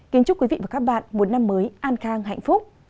kính chúc quý vị và các bạn một năm mới an khang hạnh phúc